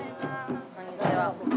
こんにちは。